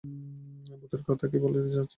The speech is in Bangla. ভূতের কথা কি বলতে চাচ্ছিলেন বলুন।